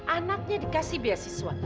anaknya dikasih beasiswa